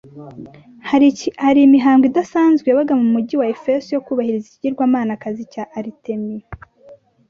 hari imihango idasanzwe yabaga mu mujyi wa Efeso yo kubahiriza ikigirwamanakazi cya Aritemi.